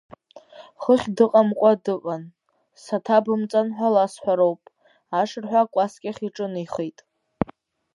Хыхь дыҟамкәа дыҟам, саҭабымҵан ҳәа ласҳәароуп, ашырҳәа акәаскьахь иҿынеихеит.